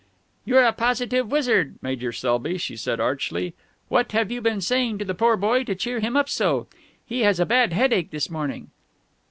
"You are a positive wizard, Major Selby," she said archly. "What have you been saying to the poor boy to cheer him up so? He has a bad headache this morning."